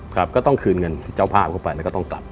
ครับก็ต้องคืนเงินเจ้าภาพเข้าไปแล้วก็ต้องกลับ